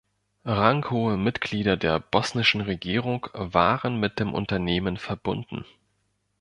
Ranghohe Mitglieder der bosnischen Regierung waren mit dem Unternehmen verbunden.